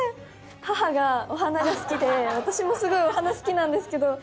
母がお花が好きで私もすごいお花好きなんですけど。